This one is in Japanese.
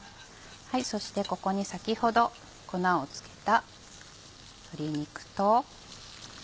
そしてここに先ほど粉を付けた鶏肉と。